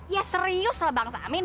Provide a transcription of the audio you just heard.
ya serius bang somin